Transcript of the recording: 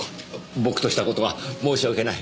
僕とした事が申し訳ない。